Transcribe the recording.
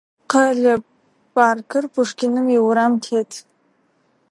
Къэлэ паркыр Пушкиным иурам тет.